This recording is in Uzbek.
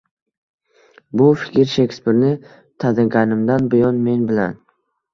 Bu fikr Shekspirni taniganimdan buyon men bilan.